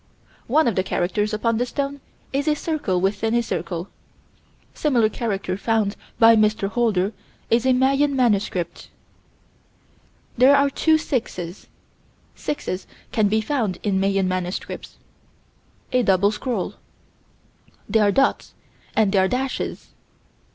One of the characters upon this stone is a circle within a circle similar character found by Mr. Holder is a Mayan manuscript. There are two 6's. 6's can be found in Mayan manuscripts. A double scroll. There are dots and there are dashes.